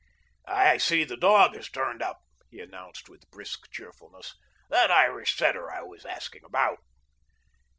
"I see that dog has turned up," he announced with brisk cheerfulness. "That Irish setter I was asking about."